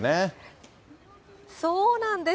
そうなんです。